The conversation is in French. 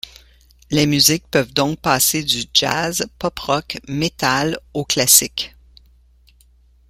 Les musiques peuvent donc passer du jazz, pop-rock, metal au classique.